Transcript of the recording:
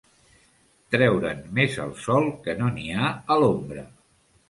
Treure'n més al sol que no n'hi ha a l'ombra.